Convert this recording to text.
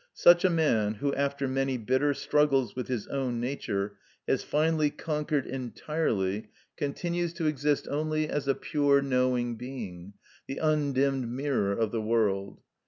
Such a man, who, after many bitter struggles with his own nature, has finally conquered entirely, continues to exist only as a pure, knowing being, the undimmed mirror of the world.